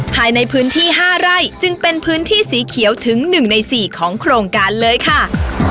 ภายในพื้นที่๕ไร่จึงเป็นพื้นที่สีเขียวถึง๑ใน๔ของโครงการเลยค่ะ